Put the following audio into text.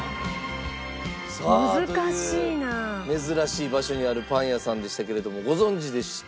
珍しい場所にあるパン屋さんでしたけれどもご存じでした？